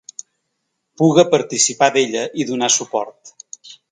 Puga participar d’ella i donar suport.